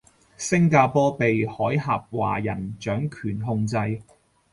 星加坡被海峽華人掌權控制